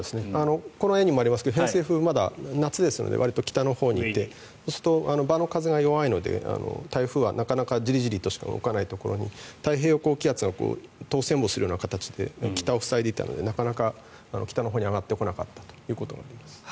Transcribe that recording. この絵にもありますが偏西風はまだ夏ですのでわりと北のほうにいてそうすると場の風が弱いので台風はなかなかジリジリとしか動かないところに太平洋高気圧が通せんぼするような形で北を塞いでいたのでなかなか北のほうに上がってこなかったと。